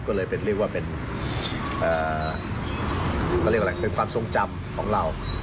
ก็เลยเรียกว่าเป็นความทรงจำของเรา